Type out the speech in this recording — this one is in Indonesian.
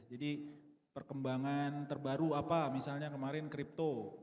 jadi perkembangan terbaru apa misalnya kemarin kripto